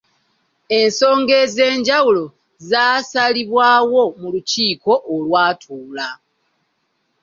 Ensonga ez'enjawulo zaasalibwawo mu lukiiko olwatuula.